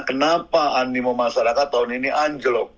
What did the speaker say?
kenapa animo masyarakat tahun ini anjlok